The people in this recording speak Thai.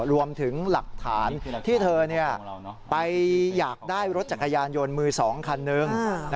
รวมถึงหลักฐานที่เธอไปอยากได้รถจักรยานยนต์มือ๒คันนึง